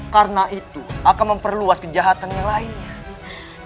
karena itu akan memperluas kejahatan yang lainnya